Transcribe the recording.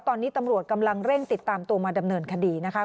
ตอนนี้ตำรวจกำลังเร่งติดตามตัวมาดำเนินคดีนะคะ